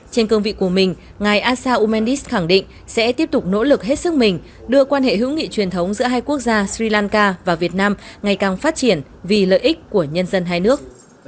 trên cương vị của mình ngài asa umanis khẳng định sẽ tiếp tục nỗ lực hết sức mình đưa quan hệ hữu nghị truyền thống giữa hai quốc gia sri lanka và việt nam ngày càng phát triển vì lợi ích của nhân dân hai nước